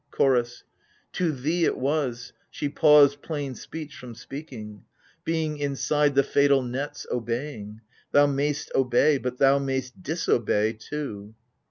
CHOROS. To thee it was, she paused plain speech from speaking. Being inside the fatal nets — obeying, Thou may'st obey : but thou may'st disobey too